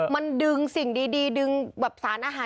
มันดึงสิ่งดีดึงแบบสารอาหาร